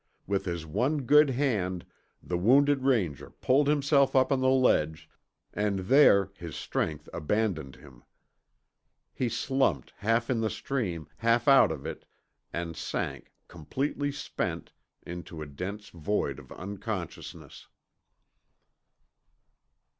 With his one good hand, the wounded Ranger pulled himself up on the ledge, and there his strength abandoned him. He slumped half in the stream, half out of it, and sank, completely spent, into a dense void of unconsciousness.